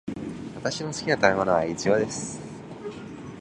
私の好きな食べ物はイチゴです。